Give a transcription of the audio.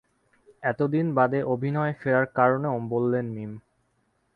এত দিন বাদে অভিনয়ে ফেরার কারণও বললেন মীম।